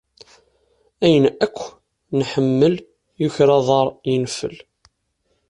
Ayen akk nḥemmel yuker aḍaṛ yenfel.